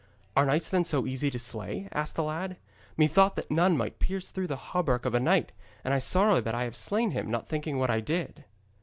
'Are knights then so easy to slay?' asked the lad. 'Methought that none might pierce through the hauberk of a knight, and I sorrow that I have slain him, not thinking what I did.'